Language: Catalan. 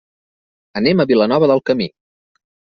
Anem a Vilanova del Camí.